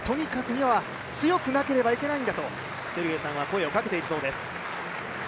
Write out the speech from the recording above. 今は強くなければいけないんだとセルゲイさんは声をかけているそうです。